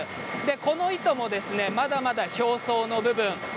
この糸もまだまだ表層の部分。